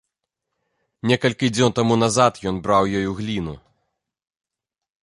Некалькі дзён таму назад ён браў ёю гліну.